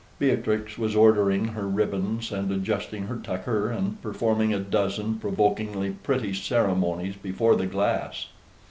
Beatrix was ordering her ribbons, and adjusting her tucker, and performing a dozen provokingly pretty ceremonies, before the glass.